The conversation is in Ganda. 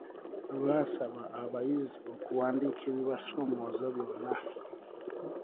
Baasaba abayizi okuwandiika ebibasoomooza byonna.